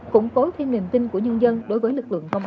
củng cố thêm niềm tin của nhân dân đối với lực lượng công an